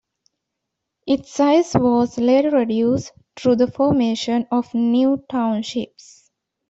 Its size was later reduced through the formation of new townships.